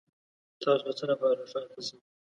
تاسو د څه لپاره ښار ته ځئ؟